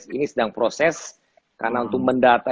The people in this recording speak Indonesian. ini sedang proses karena untuk mendata